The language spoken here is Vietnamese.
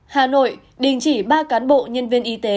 hà nội đình chỉ ba cán bộ nhân viên y tế